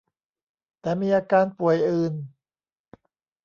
แต่มีอาการป่วยอื่น